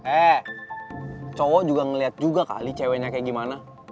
eh cowok juga ngeliat juga kali ceweknya kayak gimana